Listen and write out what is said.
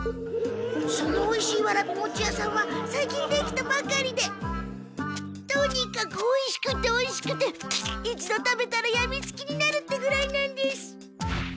そのおいしいわらび餅屋さんは最近できたばかりでとにかくおいしくておいしくて一度食べたらやみつきになるってぐらいなんです。